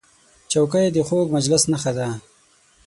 چوکۍ د خوږ مجلس نښه ده.